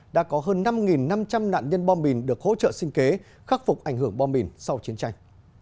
đã có hơn năm năm trăm linh nạn nhân bom mìn được hỗ trợ sinh kế khắc phục ảnh hưởng bom mìn sau chiến tranh